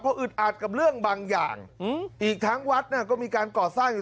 เพราะอึดอาจกับเรื่องบางอย่างอีกทั้งวัดก็มีการก่อสร้างอยู่